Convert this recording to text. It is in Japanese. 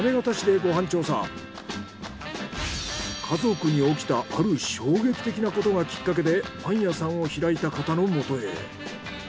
家族に起きたある衝撃的なことがきっかけでパン屋さんを開いた方のもとへ。